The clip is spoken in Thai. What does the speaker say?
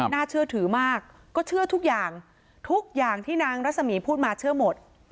น่าเชื่อถือมากก็เชื่อทุกอย่างทุกอย่างที่นางรัศมีร์พูดมาเชื่อหมด